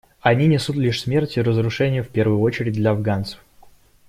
Они несут лишь смерть и разрушение, в первую очередь для афганцев.